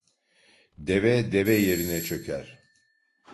Deve deve yerine çöker.